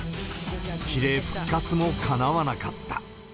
比例復活もかなわなかった。